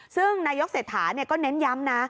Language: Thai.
ซึ่งนายกเศรษฐาก็เน้นย้ำนะ